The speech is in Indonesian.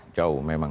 betul jauh memang